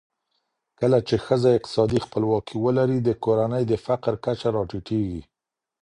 کله چي ښځه اقتصادي خپلواکي ولري، د کورنۍ د فقر کچه راټیټېږي